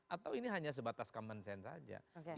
atau ini hanya sebatas kampung